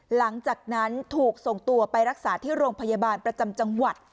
หลังจากนั้นถูกส่งตัวไปรักษาที่โรงพยาบาลประจำจังหวัด